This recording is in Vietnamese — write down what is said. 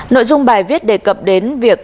nội dung bài viết đề cập đến việc